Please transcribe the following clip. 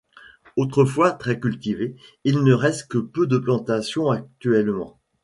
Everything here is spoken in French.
Autrefois très cultivé, il ne reste que peu de plantations actuellement.